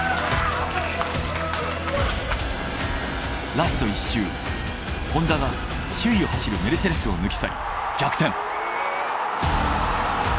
ラスト１周ホンダが首位を走るメルセデスを抜き去り逆転。